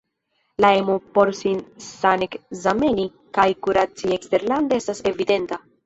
La emo por sin sanekzameni kaj kuraci eksterlande estas evidenta.